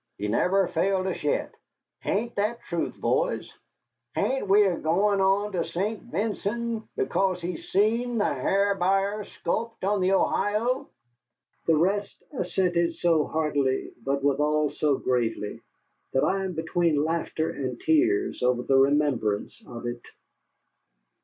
"He never failed us yet. Hain't that truth, boys? Hain't we a goin' on to St. Vincent because he seen the Ha'r Buyer sculped on the Ohio?" The rest assented so heartily but withal so gravely, that I am between laughter and tears over the remembrance of it.